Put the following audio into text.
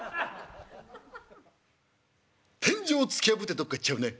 天井突き破ってどっか行っちゃうね。